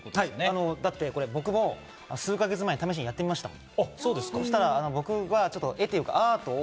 だって僕も数か月前試しにやってみましたもん。